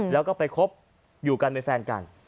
แล้วก็ไปคบอยู่กันเป็นแฟนกัน